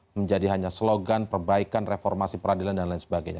menjadi hanya slogan perbaikan reformasi peradilan dan lain sebagainya